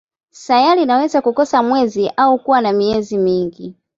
Sayari inaweza kukosa mwezi au kuwa na miezi mingi.